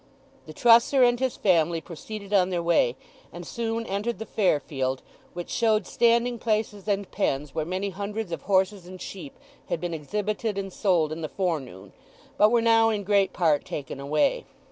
The trusser and his family proceeded on their way, and soon entered the Fair field, which showed standing places and pens where many hundreds of horses and sheep had been exhibited and sold in the forenoon, but were now in great part taken away.